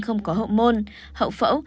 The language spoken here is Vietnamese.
không có hậu môn hậu phẫu